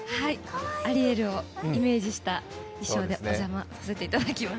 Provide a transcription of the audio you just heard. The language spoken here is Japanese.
アリエルをイメージした衣装でお邪魔させていただきます。